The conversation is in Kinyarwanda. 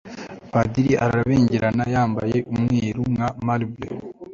Padiri arabengerana yambaye umweru nka marble